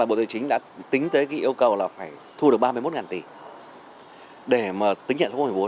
bộ tài chính đã tính tới cái yêu cầu là phải thu được ba mươi một tỷ để mà tính nhận một mươi bốn